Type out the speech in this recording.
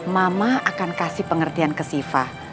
mama akan kasih pengertian ke siva